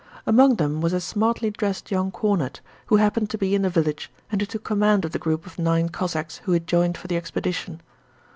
Among them was a smartly dressed young cornet, who happened to be in the village and who took command of the group of nine Cossacks who had joined for the expedition.